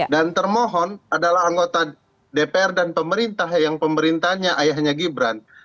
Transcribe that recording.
dan termohon adalah anggota dpr dan pemerintah yang pemerintahnya ayahnya gibran